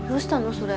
それ。